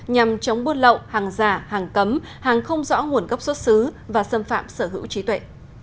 nhằm chống buôn lậu hàng giả hàng cấm hàng không rõ nguồn gốc xuất xứ và xâm phạm sở hữu trí tuệ